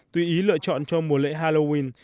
tuy ý lựa chọn cho mùa lễ halloween